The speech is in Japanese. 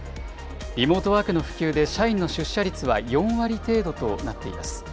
リモートワークの普及で、社員の出社率は４割程度となっています。